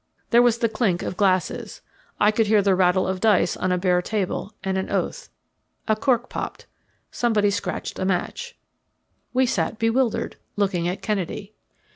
There was the clink of glasses. I could hear the rattle of dice on a bare table, and an oath. A cork popped. Somebody scratched a match. We sat bewildered, looking at Kennedy.